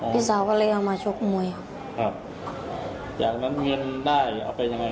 พี่สาวก็เลยเอามาชกมวยครับครับจากนั้นเงินได้เอาไปยังไง